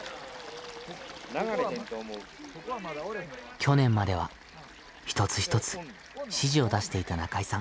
去年までは一つ一つ指示を出していた中井さん。